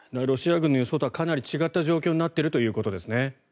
ロシア軍の予想とはかなり違った状況になっているということですね。